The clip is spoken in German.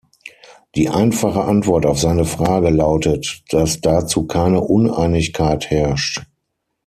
Die einfache Antwort auf seine Frage lautet, dass dazu keine Uneinigkeit herrscht.